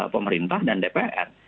pemerintah dan dpr